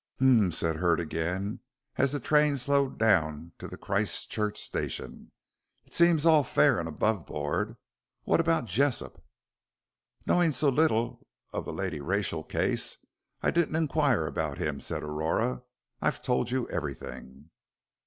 "Hum," said Hurd again, as the train slowed down to the Christchurch station, "it seems all fair and above board. What about Jessop?" "Knowing so little of the Lady Rachel case, I didn't inquire about him," said Aurora. "I've told you everything."